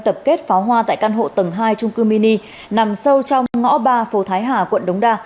tập kết pháo hoa tại căn hộ tầng hai trung cư mini nằm sâu trong ngõ ba phố thái hà quận đống đa